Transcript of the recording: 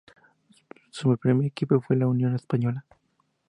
Su primer equipo fue la Unión Española.